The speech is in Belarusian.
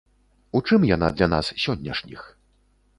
У чым яна для нас сённяшніх?